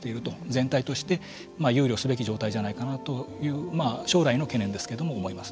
全体として憂慮すべき状態じゃないかなというまあ将来の懸念ですけども思います。